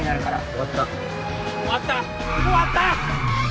終わった！